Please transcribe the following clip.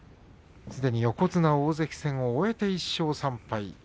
横綱大関戦を終えて、１勝３敗。